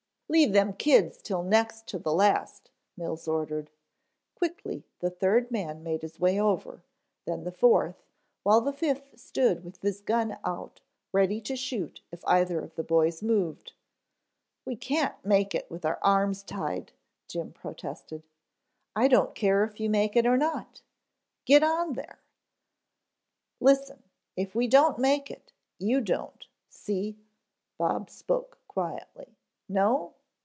"Leave them kids till next to the last," Mills ordered. Quickly the third man made his way over, then the fourth, while the fifth stood with his gun out ready to shoot if either of the boys moved. "We can't make it with our arms tied," Jim protested. "I don't care if you make it or not. Get on there " "Listen, if we don't make it, you don't, see," Bob spoke quietly. "No?"